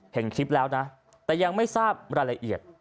เห็นคลิปแล้วนะแต่ยังไม่ทราบรายละเอียด